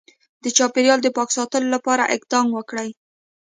د چاپیریال د پاک ساتلو لپاره اقدام وکړي